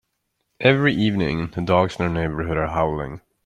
Every evening, the dogs in our neighbourhood are howling.